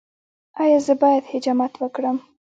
ایا زه باید حجامت وکړم؟